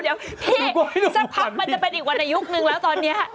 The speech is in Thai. เดี๋ยวแพทย์สักพับจะเป็นอีกวันอนาคตหนึ่งแล้วตอนนี้